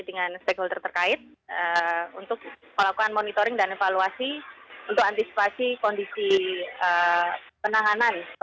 jadi dengan stakeholder terkait untuk melakukan monitoring dan evaluasi untuk antisipasi kondisi penanganan